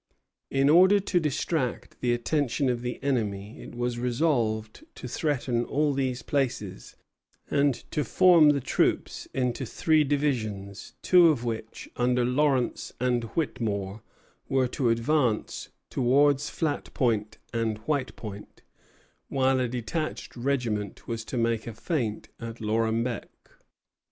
In order to distract the attention of the enemy, it was resolved to threaten all these places, and to form the troops into three divisions, two of which, under Lawrence and Whitmore, were to advance towards Flat Point and White Point, while a detached regiment was to make a feint at Lorambec.